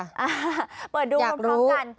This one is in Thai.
อ่าเปิดดูพร้อมกัน